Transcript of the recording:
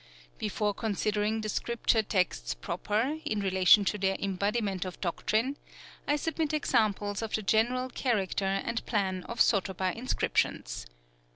Before considering the scripture texts proper, in relation to their embodiment of doctrine, I submit examples of the general character and plan of sotoba inscriptions.